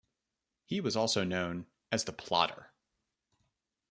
He was also known as "the plotter".